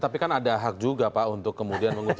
tapi kan ada hak juga pak untuk kemudian menguji